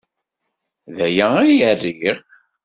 D aya ay riɣ.